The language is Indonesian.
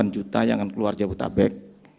dua tujuh puluh delapan juta yang akan keluar jabodabek